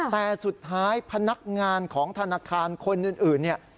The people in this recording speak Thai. แต่สุดท้ายพนักงานของธนาคารคนอื่นเนี่ย